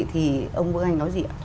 thì ông vương anh nói gì ạ